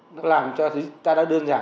nó làm cho ta đã đơn giản